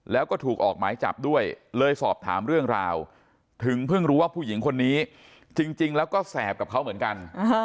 แล้วก็ถูกออกหมายจับด้วยเลยสอบถามเรื่องราวถึงเพิ่งรู้ว่าผู้หญิงคนนี้จริงแล้วก็แสบกับเขาเหมือนกัน